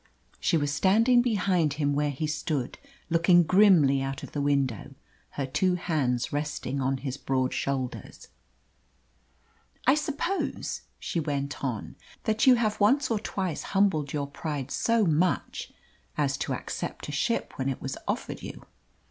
She was standing behind him where he stood, looking grimly out of the window, her two hands resting on his broad shoulders. "I suppose," she went on, "that you have once or twice humbled your pride so much as to accept a ship when it was offered you.